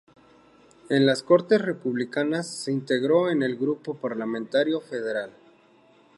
En las Cortes republicanas se integró en el grupo parlamentario federal.